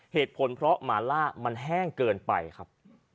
เหตุผลเพราะหมาล่ามันแห้งเกินไปครับ